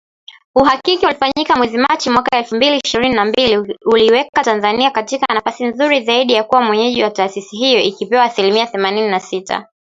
Uhakiki ulifanyika mwezi Machi mwaka elfu mbili ishirini na mbili uliiweka Tanzania katika nafasi nzuri zaidi kuwa mwenyeji wa taasisi hiyo ikipewa asilimia themanini na sita .